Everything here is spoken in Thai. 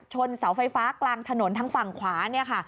เสาไฟฟ้ากลางถนนทางฝั่งขวาเนี่ยค่ะ